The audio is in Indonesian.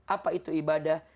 apa itu ibadah